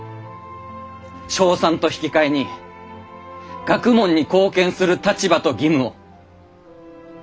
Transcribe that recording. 称賛と引き換えに学問に貢献する立場と義務を！